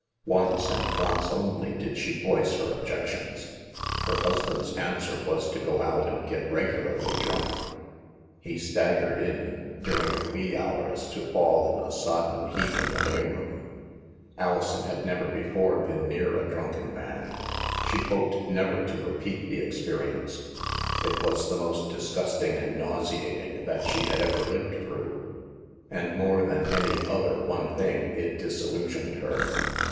Once and once only did she voice her objections. Her husband's answer was to go out and get reg ularly drunk ; he staggered in, during the wee small hours, to fall in a sodden heap in the living room. Alison had never before been near a drimken man ; she hoped never to repeat the experience. It was the most disgusting and nauseating that she had ever lived through and, more than any other one thing, it disillusioned her.